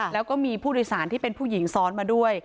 แล้วก็มีผู้โดยสารที่เป็นผู้หญิงซ้อนมาด้วย